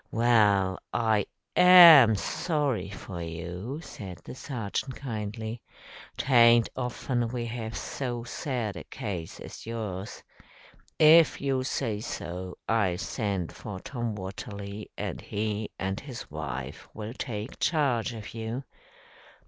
"Well, I AM sorry for you," said the sergeant kindly. "'Taint often we have so sad a case as yours. If you say so, I'll send for Tom Watterly, and he and his wife will take charge of you.